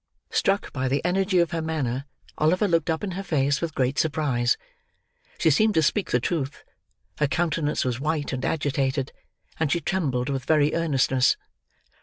Struck by the energy of her manner, Oliver looked up in her face with great surprise. She seemed to speak the truth; her countenance was white and agitated; and she trembled with very earnestness.